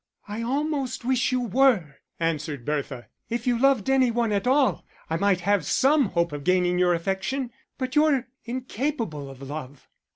"I almost wish you were," answered Bertha. "If you loved any one at all, I might have some hope of gaining your affection but you're incapable of love."